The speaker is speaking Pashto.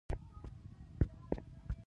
لارښود د عمل لپاره لاره هواروي.